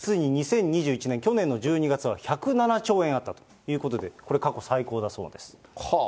実に２０２１年、去年の１２月は１０７兆円あったということで、これ、過去最高だそうです。